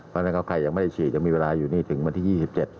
เพราะฉะนั้นเขาใครยังไม่ได้ฉีดยังมีเวลาอยู่นี่ถึงวันที่๒๗